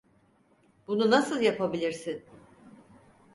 Bunu nasıl yapabilirsin?